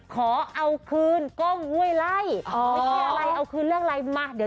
ขอเอาคืนก้มห้วยไล่